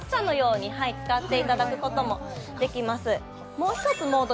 もう一つモード